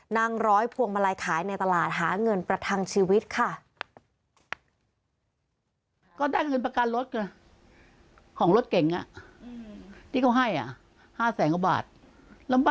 ร้อยพวงมาลัยขายในตลาดหาเงินประทังชีวิตค่ะ